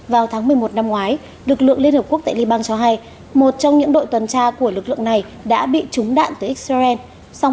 vào tháng một mươi một năm ngoái lực lượng liên hợp quốc tại libang cho hay một trong những đội tuần tra của lực lượng này đã bị trúng đạn tới israel song may mắn không có ai thương vong